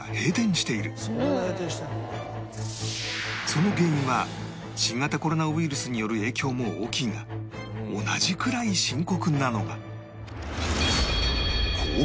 その原因は新型コロナウイルスによる影響も大きいが同じくらい深刻なのが